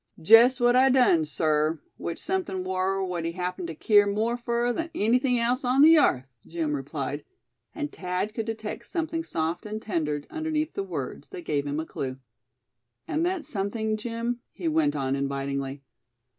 "Jest what I done, sir; which something war what he happened to keer more fur than anything else on the yarth," Jim replied; and Thad could detect something soft and tender underneath the words, that gave him a clue. "And that something, Jim?" he went on, invitingly.